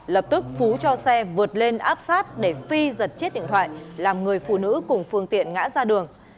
lập tức phú cho xe vượt lên áp sát để phi giật chiếc điện thoại làm người phụ nữ cùng phương tiện ngã ra đường